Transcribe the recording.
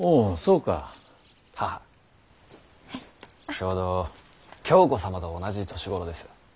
ちょうど鏡子様と同じ年頃です。